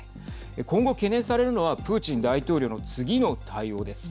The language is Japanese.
今後懸念されるのはプーチン大統領の次の対応です。